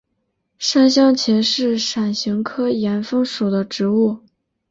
山香芹是伞形科岩风属的植物。